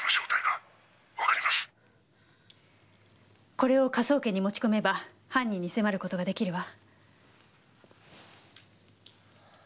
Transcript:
これを科捜研に持ち込めば犯人に迫る事が出来るわ。